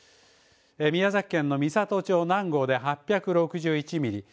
宮崎県の美郷町南郷で８６１ミリ。